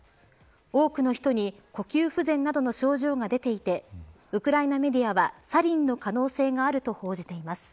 多くの人に呼吸不全などの症状が出ていてウクライナメディアはサリンの可能性があると報じています。